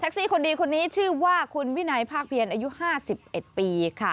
ซี่คนดีคนนี้ชื่อว่าคุณวินัยภาคเพียรอายุ๕๑ปีค่ะ